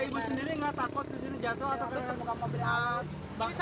ibu sendiri nggak takut jatuh atau terbuka mobil bak terbuka